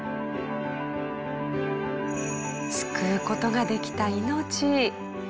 救う事ができた命。